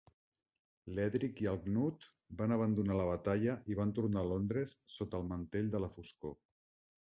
L'Eadric i el Cnut van abandonar la batalla i van tornar a Londres sota el mantell de la foscor.